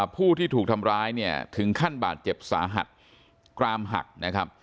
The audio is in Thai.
ผู้ที่ถูกทำร้ายเนี่ยถึงขั้นบาดเจ็บสาหัสกรามหักนะครับ